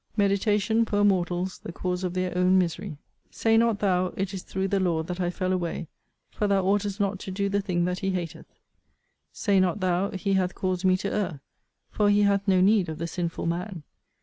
MEDITATION POOR MORTALS THE CAUSE OF THEIR OWN MISERY. Say not thou, it is through the Lord that I fell away; for thou oughtest not to do the thing that he hateth. Say not thou, he hath caused me to err; for he hath no need of the sinful man.